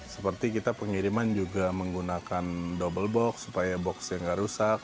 seperti kita pengiriman juga menggunakan double box supaya boxnya nggak rusak